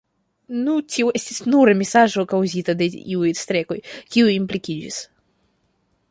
Nu, tio estis nura misaĵo, kaŭzita de iuj strekoj, kiuj implikiĝis.